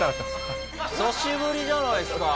久しぶりじゃないっすか！